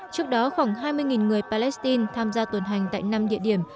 trước đó khoảng hai mươi người palestine tham gia tuần hành tại năm địa điểm